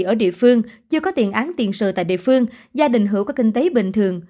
ở địa phương chưa có tiền án tiền sự tại địa phương gia đình hữu có kinh tế bình thường